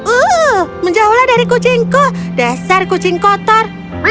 uh menjauhlah dari kucingku dasar kucing kotor